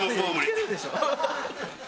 いけるでしょ。